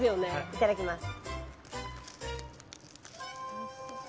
いただきます。